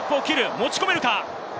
持ち込めるか。